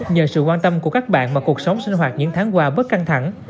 nhờ sự quan tâm của các bạn mà cuộc sống sinh hoạt những tháng qua bớt căng thẳng